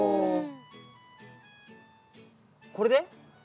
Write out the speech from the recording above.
これで？